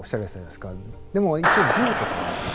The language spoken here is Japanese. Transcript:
でも一応銃とかはある。